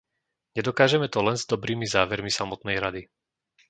Nedokážeme to len s dobrými závermi samotnej Rady.